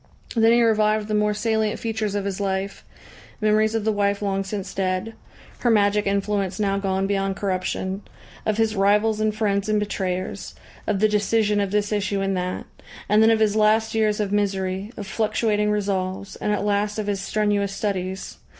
Then he revived the more salient features of his life, memories of the wife long since dead, her magic influence now gone beyond corruption, of his rivals and friends and betrayers, of the decision of this issue and that, and then of his last years of misery, of fluctuating resolves, and at last of his strenuous studies.